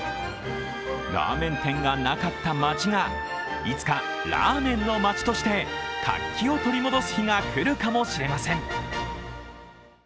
ラーメン店がなかった町がいつかラーメンの町として活気を取り戻す日が来るかもしれません。